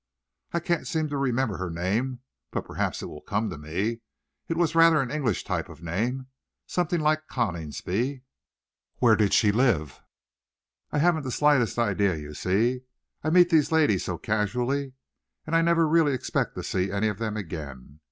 "I can't seem to remember her name, but perhaps it will come to me. It was rather an English type of name, something like Coningsby." "Where did she live?" "I haven't the slightest idea. You see I meet these ladies so casually, and I really never expect to see any of them again.